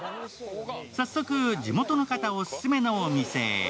早速、地元の方オススメのお店へ。